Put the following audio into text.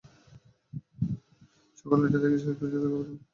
সকাল নয়টার দিকে শেষ খবর পাওয়া পর্যন্ত সেখানে থেমে থেমে গাড়ি চলছে।